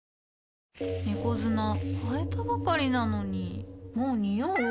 猫砂替えたばかりなのにもうニオう？